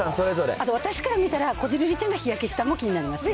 あと私から見たら、こじるりちゃんが日焼けしたのも気になります。